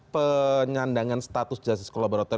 penyandangan status justice kolaborator